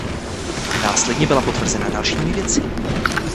Následně byla potvrzena dalšími vědci.